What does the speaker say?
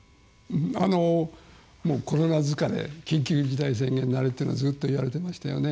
あのコロナ疲れ緊急事態宣言慣れというのはずっと言われていましたよね。